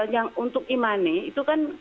yang untuk e money itu kan